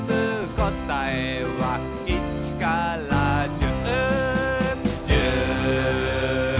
「こたえは１から１０」